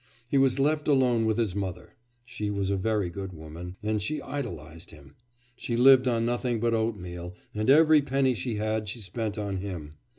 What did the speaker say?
He was left alone with his mother. She was a very good woman, and she idolised him; she lived on nothing but oatmeal, and every penny she had she spent on him.